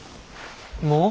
もう？